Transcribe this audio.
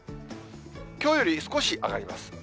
きょうより少し上がります。